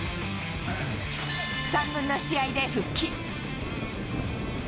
３軍の試合で復帰。